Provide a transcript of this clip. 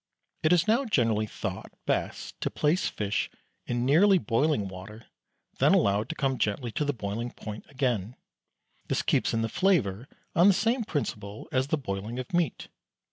It is now generally thought best to place fish in nearly boiling water, then allow it to come gently to the boiling point again, this keeps in the flavour on the same principle as the boiling of meat.